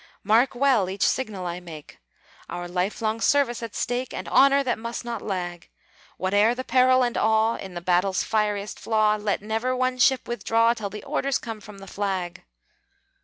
"Mark well each signal I make (Our life long service at stake, And honor that must not lag!), Whate'er the peril and awe, In the battle's fieriest flaw, Let never one ship withdraw Till the orders come from the flag!"